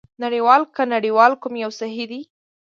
نړۍوال که نړیوال کوم یو صحي دی؟